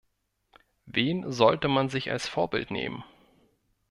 Wen sollte man sich als Vorbild nehmen?